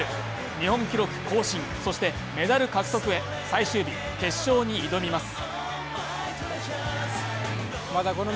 日本記録更新、そしてメダル獲得へ最終日、決勝に挑みます。